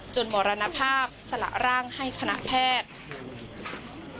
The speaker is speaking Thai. มรณภาพสละร่างให้คณะแพทย์